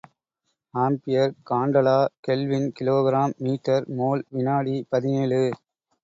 Ampere, candela, kelvin, kilogram, metre, mole, வினாடி பதினேழு .